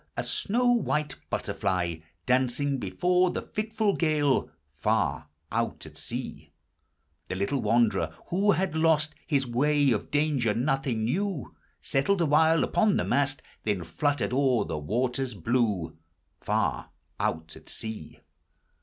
a snow white butterfly Dancing before the fitful gale, Far out at sea ! The little wanderer, who had lost His way, of danger nothing knew ; Settled awhile upon the mast, Then fluttered o'er the waters blue, Far out at sea.